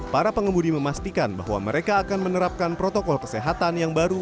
para pengemudi memastikan bahwa mereka akan menerapkan protokol kesehatan yang baru